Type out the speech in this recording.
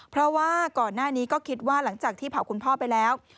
เพราะว่าก่อนหน้านี้ก็คิดว่าหลังจากที่เผาคุณพ่อไปแล้ว